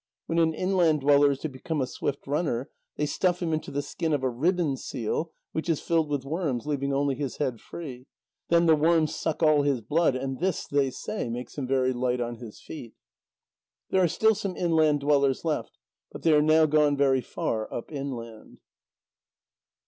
When an inland dweller is to become a swift runner, they stuff him into the skin of a ribbon seal, which is filled with worms, leaving only his head free. Then the worms suck all his blood, and this, they say, makes him very light on his feet. There are still some inland dwellers left, but they are now gone very far up inland.